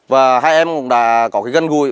và hai em cũng đã có cái gân gùi